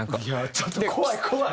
ちょっと怖い怖い！